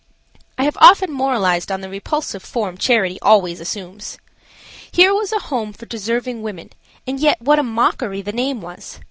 I have often moralized on the repulsive form charity always assumes! Here was a home for deserving women and yet what a mockery the name was.